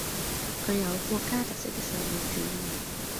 具有國家特色的社會主義